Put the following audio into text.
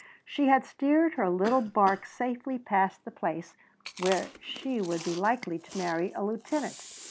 She had steered her little bark safely past the place where she would be likely to marry a lieutenant.